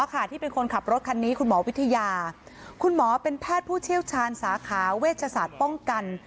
ที่เป็นคนขับรถคันนี้คุณหมอวิทยาคุณหมอเป็นแพทย์ผู้เชี่ยวชาญสาขาเวชศาสตร์ป้องกัน